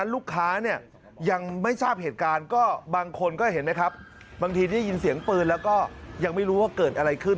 แล้วก็ยังไม่รู้ว่าเกิดอะไรขึ้น